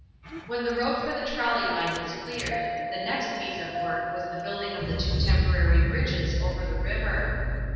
When the road for the trolley line was cleared, the next piece of work was the building of the two temporary bridges over the river.